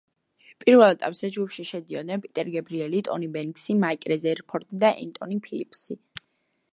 პირველ ეტაპზე ჯგუფში შედიოდნენ პიტერ გებრიელი, ტონი ბენქსი, მაიკ რეზერფორდი და ენტონი ფილიპსი.